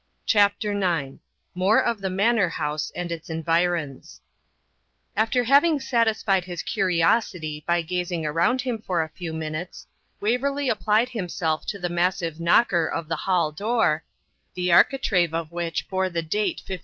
] CHAPTER IX MORE OF THE MANOR HOUSE AND ITS ENVIRONS After having satisfied his curiosity by gazing around him for a few minutes, Waverley applied himself to the massive knocker of the hall door, the architrave of which bore the date 1594.